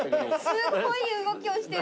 すっごい動きをしてる。